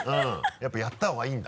やっぱやった方がいいんだ？